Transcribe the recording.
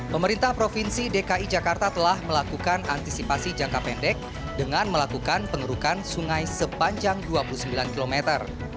pemerintah provinsi dki jakarta telah melakukan antisipasi jangka pendek dengan melakukan pengerukan sungai sepanjang dua puluh sembilan kilometer